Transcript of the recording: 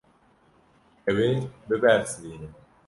Ew ê bibersivîne.